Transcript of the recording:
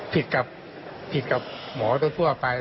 ผิดกับหมอทั่วไป